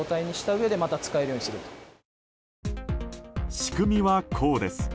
仕組みは、こうです。